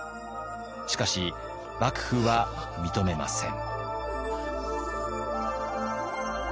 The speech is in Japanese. しかし幕府は認めません。